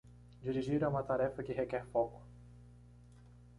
Dirigir é uma tarefa que requer foco.